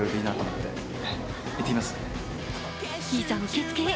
いざ受付へ。